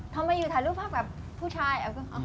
ทำไมอยู่ถ่ายรูปภาพกับผู้ชาย